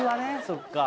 そっか。